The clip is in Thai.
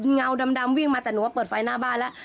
เงาดำวิ่งมาแต่หนูว่าเปิดไฟหน้าบ้านแล้ว